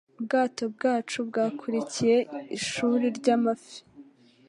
Ubwato bwacu bwakurikiye ishuri ry amafi.